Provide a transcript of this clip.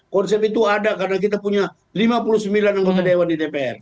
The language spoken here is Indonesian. konsep itu ada karena kita punya lima puluh sembilan anggota dewan di dpr